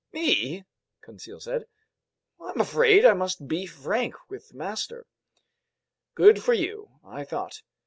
"Me?" Conseil said. "I'm afraid I must be frank with master." Good for you, I thought.